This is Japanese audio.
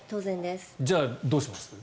じゃあどうします？